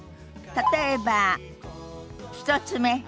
例えば１つ目。